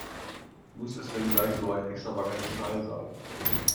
Muss es denn gleich so ein extravagantes Teil sein?